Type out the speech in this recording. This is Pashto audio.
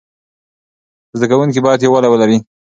زده کوونکي باید یووالی ولري.